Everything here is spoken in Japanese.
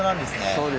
そうです。